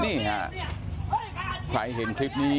แม่ขี้หมาเนี่ยเธอดีเนี่ยเธอดีเนี่ย